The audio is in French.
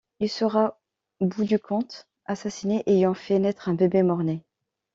Il sera bout du compte assassiné ayant fait naître un bébé mort-né.